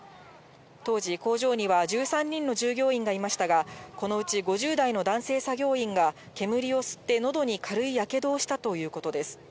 当時、工場には１３人の従業員がいましたが、このうち５０代の男性作業員が、煙を吸ってのどに軽いやけどをしたということです。